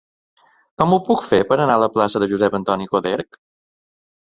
Com ho puc fer per anar a la plaça de Josep Antoni Coderch?